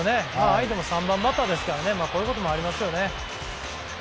相手も３番バッターですからこういうこともありますよね。